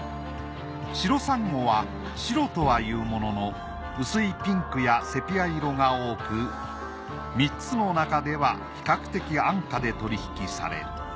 シロサンゴはシロとはいうものの薄いピンクやセピア色が多く３つのなかでは比較的安価で取引される。